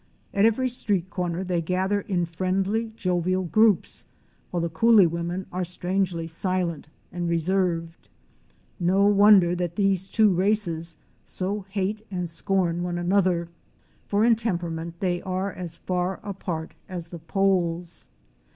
At every street corner they gather in friendly, jovial groups, while the coolie women are strangely silent and reserved. No wonder that these two races so hate and scorn one another, for in temperament they are as far apart as the poles!